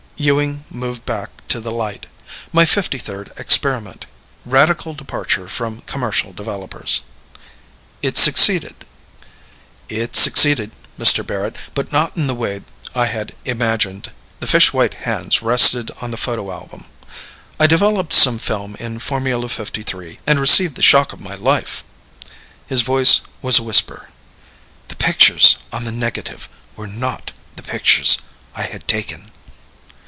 Ewing moved back to the light. "My fifty third experiment. Radical departure from commercial developers." "It succeeded?" "It succeeded, Mr. Barrett, but not in the way I had imagined." The fish white hands rested on the photo album. "I developed some film in Formula #53 and received the shock of my life." His voice was a whisper. "The pictures on the negative were NOT the pictures I had taken."